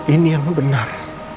ini yang benar